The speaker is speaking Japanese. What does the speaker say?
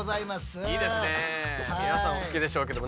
皆さんお好きでしょうけども。